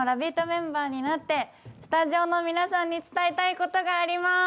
メンバーになってスタジオの皆さんに伝えたいことがありまーす！